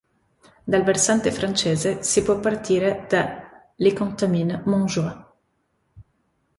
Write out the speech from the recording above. Dal versante francese si può partire da Les Contamines-Montjoie.